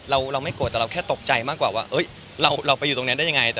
เราไม่โกรธแต่เราแค่ตกใจมากกว่าว่าเราไปอยู่ตรงนั้นได้ยังไง